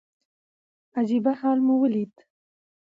عجيبه حال مو وليد .